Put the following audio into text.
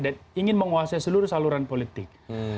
dan ingin menguasai seluruh saluran politik